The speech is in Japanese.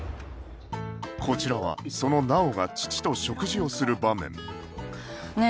こちらはその直央が父と食事をする場面ねえ